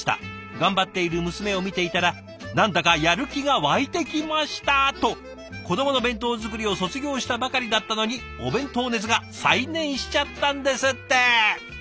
頑張っている娘を見ていたら何だかやる気が湧いてきました」と子どもの弁当作りを卒業したばかりだったのにお弁当熱が再燃しちゃったんですって！